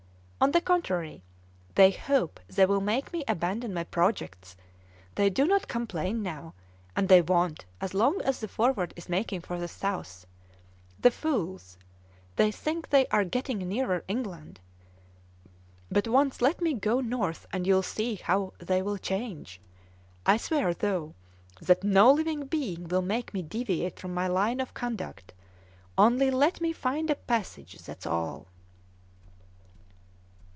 On the contrary, they hope they will make me abandon my projects. They do not complain now, and they won't as long as the Forward is making for the south. The fools! They think they are getting nearer England! But once let me go north and you'll see how they'll change! I swear, though, that no living being will make me deviate from my line of conduct. Only let me find a passage, that's all!"